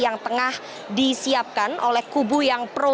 yang tengah disiapkan oleh kubu yang pro